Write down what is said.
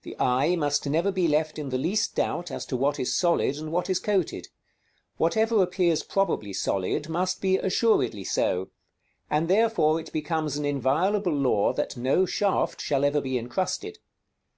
The eye must never be left in the least doubt as to what is solid and what is coated. Whatever appears probably solid, must be assuredly so, and therefore it becomes an inviolable law that no shaft shall ever be incrusted.